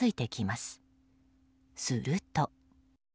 すると。